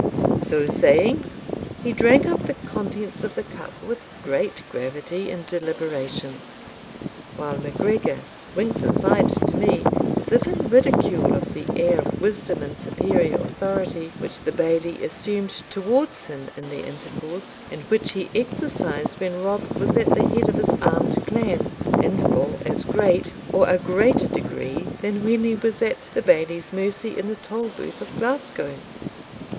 So saying, he drank up the contents of the cup with great gravity and deliberation, while MacGregor winked aside to me, as if in ridicule of the air of wisdom and superior authority which the Bailie assumed towards him in their intercourse, and which he exercised when Rob was at the head of his armed clan, in full as great, or a greater degree, than when he was at the Bailie's mercy in the Tolbooth of Glasgow.